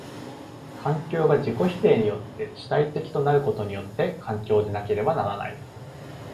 環境が自己否定によって主体的となることによって環境でなければならない。